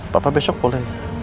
papa besok boleh